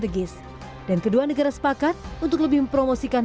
tahun dua ribu sembilan belas menandai tahun ke enam sejak pembentukan kemitraan sejarah